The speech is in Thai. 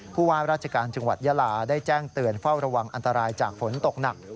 ผู้ว่าราชการจังหวัดยาลาได้แจ้งเตือนเฝ้าระวังอันตรายจากฝนตกหนัก